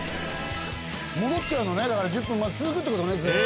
戻っちゃうのね１０分続くってことね。